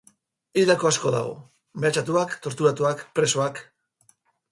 Hildako asko dago, mehatxatuak, torturatuak, presoak...